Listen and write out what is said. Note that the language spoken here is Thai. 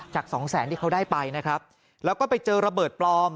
สองแสนที่เขาได้ไปนะครับแล้วก็ไปเจอระเบิดปลอม